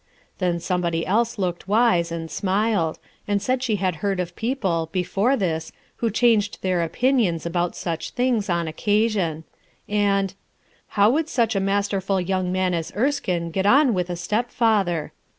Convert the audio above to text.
Then somebody else looked wise and smiled, and said she had heard of people, before this, who changed their opinions about such tilings, on occasion. And — How would such a masterful young man as Erskine get on with a stepfather